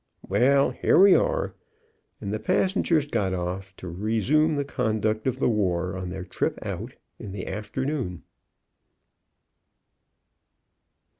Well, here we are," and the passengers got off, to re sume the conduct of the war on their trip out in the afternoon.